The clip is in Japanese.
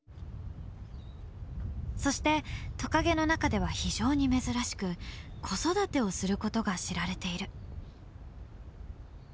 そしてトカゲの中では非常に珍しく子育てをすることが知られている。